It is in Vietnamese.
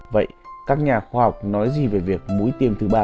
vậy các nhà khoa học nói gì về việc mũi ba sẽ tiêm mũi ba